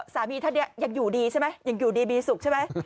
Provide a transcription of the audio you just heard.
สามีท่านนี้ยังอยู่ดีใช่ไหมยังอยู่ดีมีสุขใช่ไหม